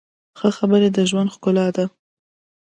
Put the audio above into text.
ښه خبرې د ژوند ښکلا ده.